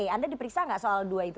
anda diperiksa nggak soal dua itu